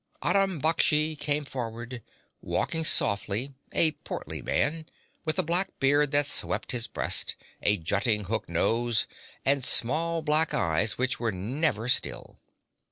Aram Baksh came forward, walking softly, a portly man, with a black beard that swept his breast, a jutting hook nose, and small black eyes which were never still.